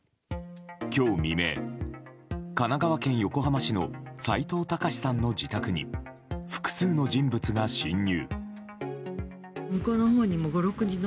今日未明、神奈川県横浜市の斎藤隆さんの自宅に複数の人物が侵入。